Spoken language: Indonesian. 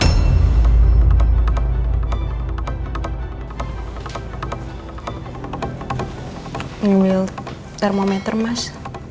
ngambil termometer mas